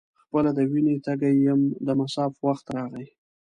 خپله د وینې تږی یم د مصاف وخت راغی.